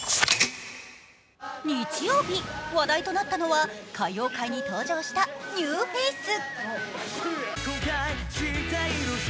日曜日、話題となったのは歌謡界に登場したニューフェイス。